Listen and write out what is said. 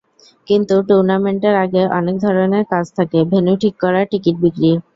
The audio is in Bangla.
কিন্তু টুর্নামেন্টের আগে অনেক ধরনের কাজ থাকে—ভেন্যু ঠিক করা, টিকিট বিক্রি।